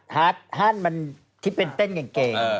ฮั่นมันที่เป็นเต้นกางเกง